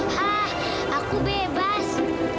hah aku bebas